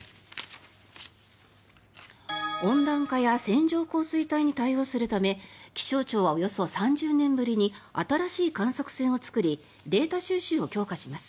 温暖化や線状降水帯に対応するため気象庁はおよそ３０年ぶりに新しい観測船を作りデータ収集を強化します。